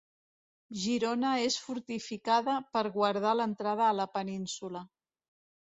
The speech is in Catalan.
Girona és fortificada per guardar l'entrada a la península.